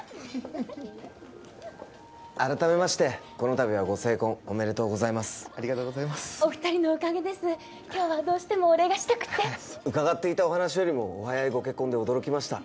改めましてこの度はご成婚おめでとうございますありがとうございますお二人のおかげです今日はどうしてもお礼がしたくて伺っていたお話よりもお早いご結婚で驚きました